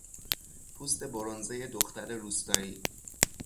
پوست برنزهی دختر روستایی